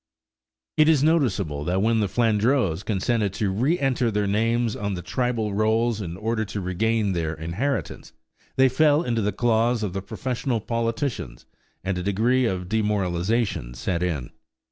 It is noticeable that when the Flandreaus consented to reënter their names on the tribal rolls in order to regain their inheritance, they fell into the claws of the professional politicians, and a degree of demoralization set in.